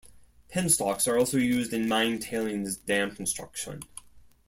Penstocks are also used in mine tailings dam construction.